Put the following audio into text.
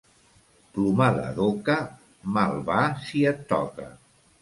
Plomada d'oca, mal va si et toca.